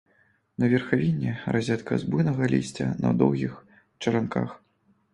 На верхавіне разетка з буйнога лісця на доўгіх чаранках.